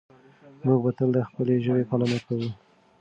موږ به تل د خپلې ژبې پالنه کوو.